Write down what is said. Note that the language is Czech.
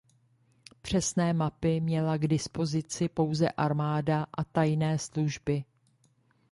Přesné mapy měla k dispozici pouze armáda a tajné služby.